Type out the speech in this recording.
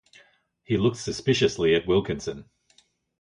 He looked suspiciously at Wilkinson.